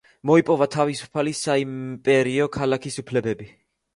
მოიპოვა თავისუფალი საიმპერიო ქალაქის უფლებები.